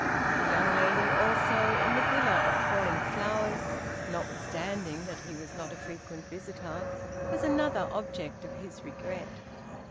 The young lady, also, in the "Villa of Falling Flowers" (notwithstanding that he was not a frequent visitor) was another object of his regret.